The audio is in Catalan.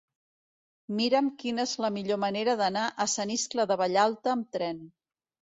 Mira'm quina és la millor manera d'anar a Sant Iscle de Vallalta amb tren.